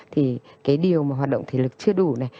thì cái điều mà hoạt động thể lực chưa đủ này